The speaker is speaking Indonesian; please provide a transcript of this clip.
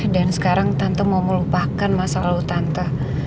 dan sekarang tante mau melupakan masa lalu tante